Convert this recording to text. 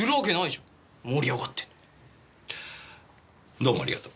どうもありがとう。